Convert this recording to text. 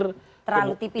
terlalu tipis ya